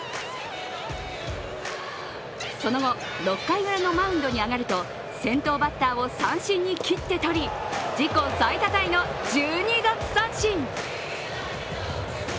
その後、６回ウラのマウンドに上がると先頭バッターを三振に切って取り、自己最多タイの１２奪三振。